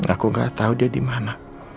aku gak tau dia dimana